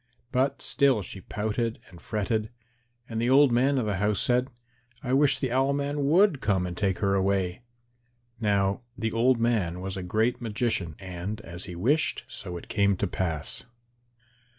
But still she pouted and fretted. And the old man of the house said, "I wish the Owl man would come and take her away." Now the old man was a great magician, and as he wished, so it came to pass.